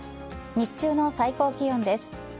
日中の最高気温です。